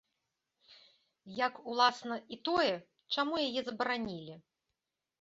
Як, уласна, і тое, чаму яе забаранілі.